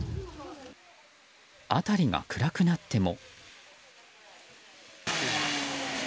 辺りが暗くなっても。